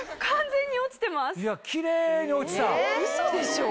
完全に落ちてます。